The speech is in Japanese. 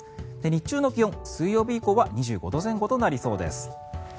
日中の気温水曜日以降は２５度前後となりそうです。